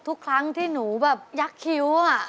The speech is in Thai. ทุกครั้งที่หนูแบบยักษ์คิ้ว